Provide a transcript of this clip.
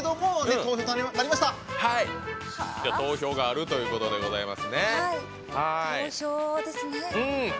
投票があるということですね。